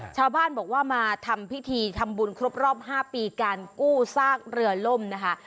ชาวบ้านบอกว่ามาทำพิธีทำบุญครบรอบ๕ปีการกู้ซากเรือล่มนะคะ